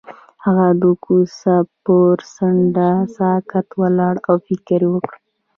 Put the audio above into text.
هغه د کوڅه پر څنډه ساکت ولاړ او فکر وکړ.